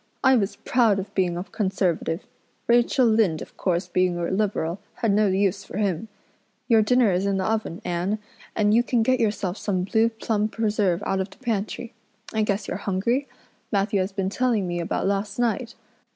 I was proud of being a Conservative. Rachel Lynde, of course, being a Liberal, had no use for him. Your dinner is in the oven, Anne, and you can get yourself some blue plum preserve out of the pantry. I guess you're hungry. Matthew has been telling me about last night.